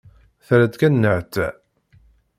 Terra-d kan nnehta.